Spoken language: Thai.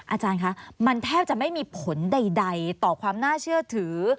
อาจารย์คะมันแทบจะไม่มีผลใดต่อความน่าเชื่อถือ